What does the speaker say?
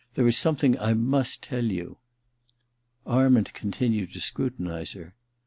There is some thing I must tell you.' Arment continued to scrutinize her.